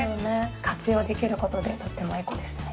活用できることでとってもエコですね。